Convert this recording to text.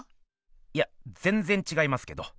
いやぜんぜんちがいますけど。